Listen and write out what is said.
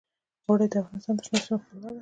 اوړي د افغانستان د شنو سیمو ښکلا ده.